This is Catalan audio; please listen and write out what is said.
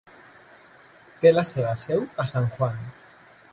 Té la seva seu a San Juan.